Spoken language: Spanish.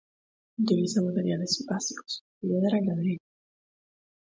Utiliza materiales básicos: piedra y ladrillo.